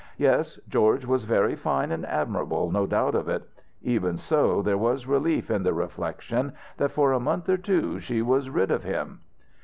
Yes, George was very fine and admirable, no doubt of it: even so, there was relief in the reflection that for a month or two she was rid of him.